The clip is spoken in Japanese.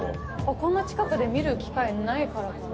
こんな近くで見る機会ないからかな。